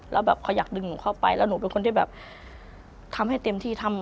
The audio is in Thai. แล้วแบบเขาอยากดึงหนูเข้าไปแล้วหนูเป็นคนที่แบบทำให้เต็มที่ทำ